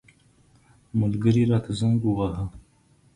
ملګري راته زنګ وواهه.